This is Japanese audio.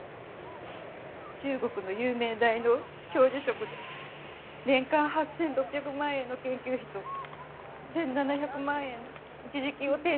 中国の有名大の教授職で年間８６００万円の研究費と１７００万円の一時金を提示されたわ。